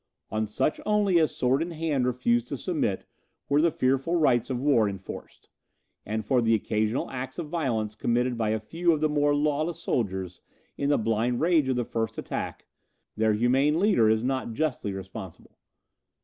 On such only as sword in hand refused to submit, were the fearful rights of war enforced; and for the occasional acts of violence committed by a few of the more lawless soldiers, in the blind rage of the first attack, their humane leader is not justly responsible.